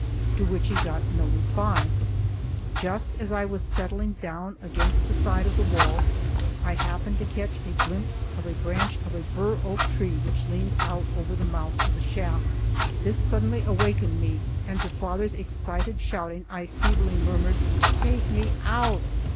to which he got no reply. Just as I was settling down against the side of the wall, I happened to catch a glimpse of a branch of a bur oak tree which leaned out over the mouth of the shaft. This suddenly awakened me, and to father's excited shouting I feebly murmured, "Take me out."